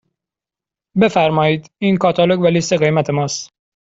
بفرمایید این کاتالوگ و لیست قیمت ماست.